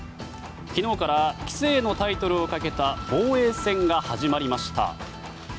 昨日から棋聖のタイトルをかけた防衛戦が始まりました。